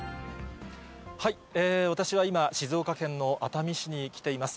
私は今、静岡県の熱海市に来ています。